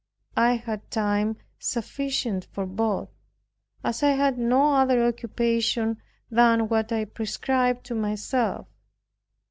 I had time sufficient for both, as I had no other occupation than what I prescribed to myself.